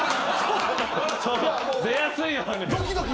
出やすいように。